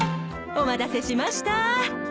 お待たせしました。